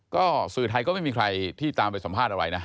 ก็สื่อไทยก็ไม่มีใครที่ตามไปสัมภาษณ์อะไรนะ